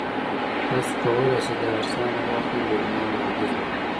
تاسو کولی شئ دا ارزانه واخلئ ویلما وړاندیز وکړ